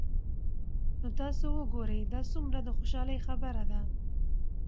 نو تاسي وګورئ دا څومره د خوشحالۍ خبره ده